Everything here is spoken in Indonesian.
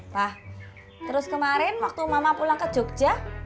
nah terus kemarin waktu mama pulang ke jogja